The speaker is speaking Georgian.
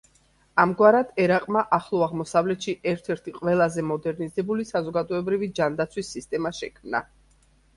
ამგვარად, ერაყმა ახლო აღმოსავლეთში ერთ-ერთ ყველაზე მოდერნიზებული საზოგადოებრივი ჯანდაცვის სისტემა შექმნა.